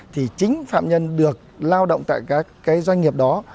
thì chính phạm nhân được lao động tại các cái doanh nghiệp đó